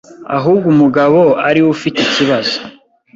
ahubwo umugabo ariwe ufite ikibazo